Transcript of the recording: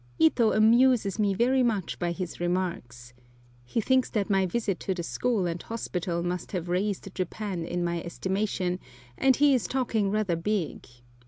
Ito amuses me very much by his remarks. He thinks that my visit to the school and hospital must have raised Japan in my estimation, and he is talking rather big.